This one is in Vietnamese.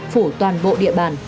phủ toàn bộ địa bàn